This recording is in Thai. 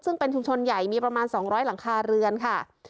ซึ่งเป็นชุมชนใหญ่มีประมาณ๒๐๐หลังคาเรือนค่ะ